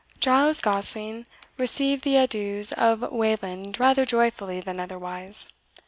Giles Gosling received the adieus of Wayland rather joyfully than otherwise.